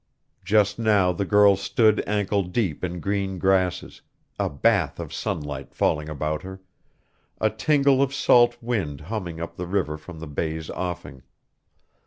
Just now the girl stood ankle deep in green grasses, a bath of sunlight falling about her, a tingle of salt wind humming up the river from the bay's offing.